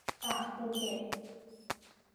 จากภูเก็ต